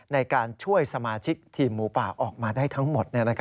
ในการช่วยสมาชิกทีมหมูป่าออกมาได้ทั้งหมด